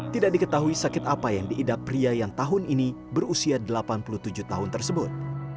tidak diketahui sakit apa yang diidap pria yang tahun ini berusia delapan puluh tujuh tahun tersebut